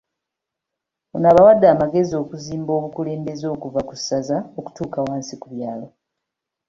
Ono abawadde amagezi okuzimba obukulembeze okuva ku ssaza okutuuka wansi ku byalo